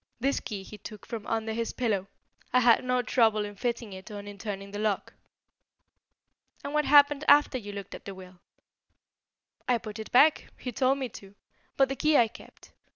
This key he took from under his pillow. I had no trouble in fitting it or in turning the lock." "And what happened after you looked at the will?" "I put it back. He told me to. But the key I kept.